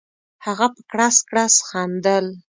هغه په کړس کړس خندل.